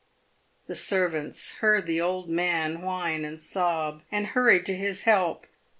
The servants heard the old man whine and sob, and hurried to his help.